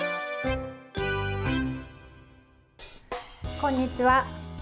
こんにちは。